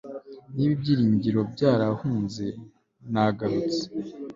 niba ibyiringiro byarahunze nta garutse